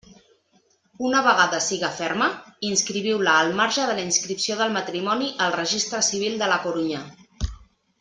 Una vegada siga ferma, inscriviu-la al marge de la inscripció del matrimoni al Registre Civil de la Corunya.